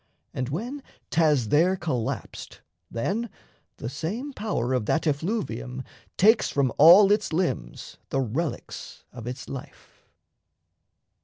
And when 'thas there collapsed, then the same power Of that effluvium takes from all its limbs The relics of its life.